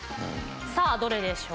さあどれでしょう？